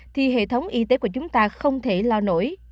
thì hệ thống y tế của chúng ta không thể lao nổi